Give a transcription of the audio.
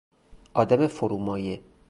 آدم فرومایه